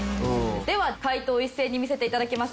では解答一斉に見せて頂きます。